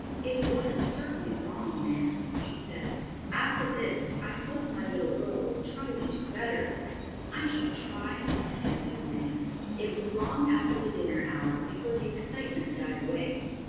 "It was certainly wrong, Nan," she said. "After this I hope my little girl will try to do better." "I shall try," answered Nan. It was long after the dinner hour before the excitement died away.